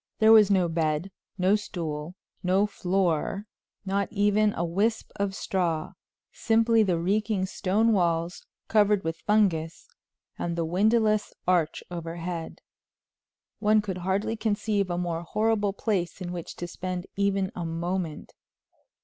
There was no bed, no stool, no floor, not even a wisp of a straw; simply the reeking stone walls, covered with fungus, and the windowless arch overhead. One could hardly conceive a more horrible place in which to spend even a moment.